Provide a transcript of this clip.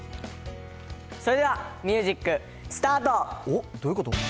それではミュージックスターどういうこと？